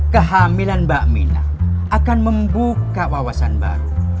kehamilan mbak mina akan membuka wawasan baru